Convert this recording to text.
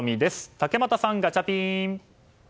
竹俣さん、ガチャピン。